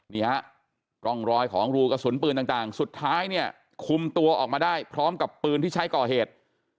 นี่ฮะร่องรอยของรูกระสุนปืนต่างสุดท้ายเนี่ยคุมตัวออกมาได้พร้อมกับปืนที่ใช้ก่อเหตุ